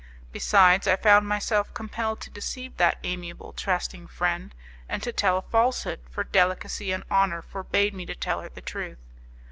Besides, I found myself compelled to deceive that amiable, trusting friend, and to tell a falsehood, for delicacy and honour forbade me to tell her the truth.